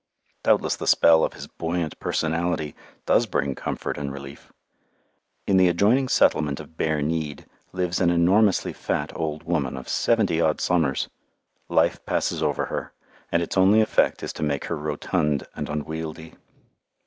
Doubtless the spell of his buoyant personality does bring comfort and relief. In the adjoining settlement of Bareneed lives an enormously fat old woman of seventy odd summers. Life passes over her, and its only effect is to make her rotund and unwieldy.